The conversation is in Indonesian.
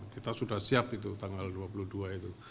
kita sudah siap itu tanggal dua puluh dua itu